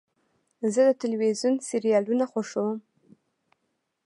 زه د تلویزیون سریالونه خوښوم.